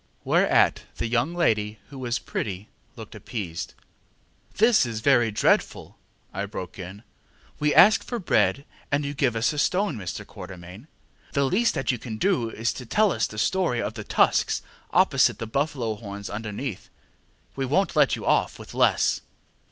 ŌĆØ Whereat the young lady, who was pretty, looked appeased. ŌĆ£This is very dreadful, ŌĆØ I broke in. ŌĆ£We ask for bread and you give us a stone, Mr. Quatermain. The least that you can do is to tell us the story of the tusks opposite and the buffalo horns underneath. We wonŌĆÖt let you off with less.